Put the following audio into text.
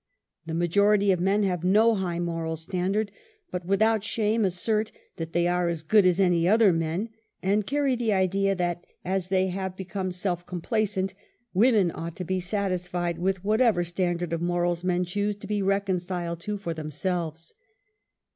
The ma jority of men have no high moral standard, but with out shame assert that they are as good as any other men, and carry the idea, that, as they have become self complacent, women ought to be satisfied with what ever standard of morals men choose to be reconciled to for themselves.